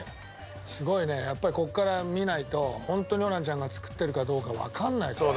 すごいねやっぱりここから見ないとホントにホランちゃんが作ってるかどうかわかんないからね。